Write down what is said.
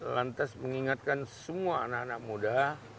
lantas mengingatkan semua anak anak muda